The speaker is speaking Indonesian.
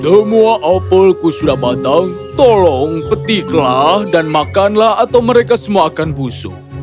semua opelku sudah matang tolong petiklah dan makanlah atau mereka semua akan busuk